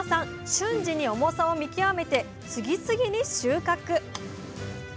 瞬時に重さを見極めて次々に収穫。